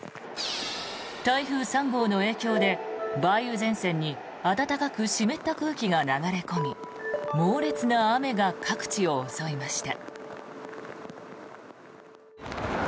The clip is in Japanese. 台風３号の影響で梅雨前線に暖かく湿った空気が流れ込み猛烈な雨が各地を襲いました。